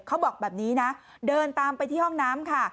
เขาบอกแบบนี้นะเดินตามไปที่ห้องน้ำค่ะ